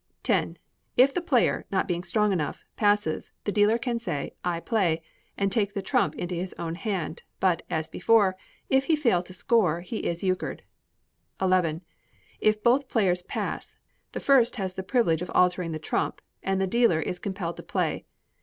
x. If the player, not being strong enough, passes, the dealer can say, "I play," and take the trump into his own hand; but, as before, if he fail to score, he is euchred. xi. If both players pass, the first has the privilege of altering the trump, and the dealer is compelled to play.